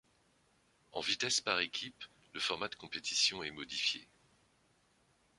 En vitesse par équipes, le format de compétition est modifié.